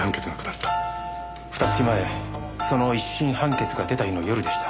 ふた月前その一審判決が出た日の夜でした。